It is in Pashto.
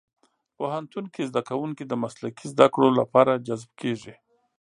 پوهنتون کې زدهکوونکي د مسلکي زدهکړو لپاره جذب کېږي.